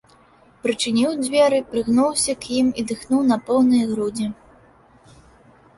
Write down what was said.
Прычыніў дзверы, прыгнуўся к ім і дыхнуў на поўныя грудзі.